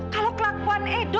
kalau kelakuan edo